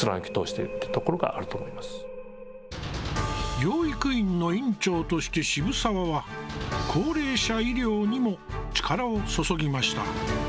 養育院の院長として渋沢は高齢者医療にも力を注ぎました。